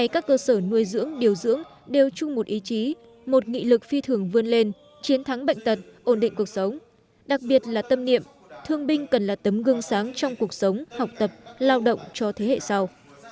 các cơ sở nuôi dưỡng điều dưỡng đều chung một ý chí một nghị lực phi thường vươn lên chiến thắng bệnh tật ổn định cuộc sống đặc biệt là tâm niệm thương binh cần là tấm gương sáng trong cuộc sống học tập lao động cho thế hệ sau